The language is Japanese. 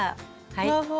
ふわふわ。